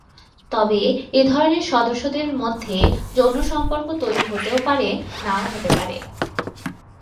তবে এধরনের সদস্যদের মধ্যে যৌন সম্পর্ক তৈরী হতেও পারে, নাও পারে।